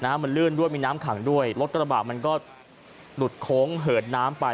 มันลื่นด้วยมีน้ำขังด้วยรถกระบะมันก็หลุดโค้งเหินน้ำไป